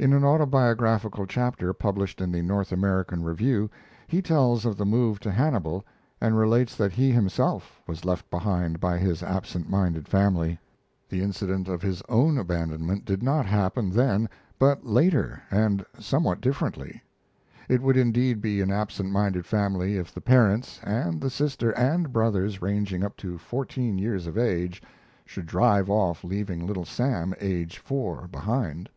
In an autobiographical chapter published in The North American Review he tells of the move to Hannibal and relates that he himself was left behind by his absentminded family. The incident of his own abandonment did not happen then, but later, and somewhat differently. It would indeed be an absent minded family if the parents, and the sister and brothers ranging up to fourteen years of age, should drive off leaving Little Sam, age four, behind.